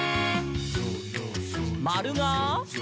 「まるが？」